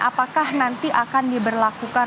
apakah nanti akan diberlakukan